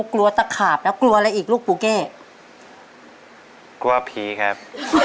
กลัวตะขาบแล้วกลัวอะไรอีกลูกปูเก้กลัวผีครับ